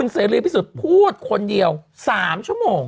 เสรีพิสุทธิ์พูดคนเดียว๓ชั่วโมง